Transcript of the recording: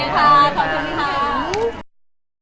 โอเคค่ะขอโทษทีค่ะ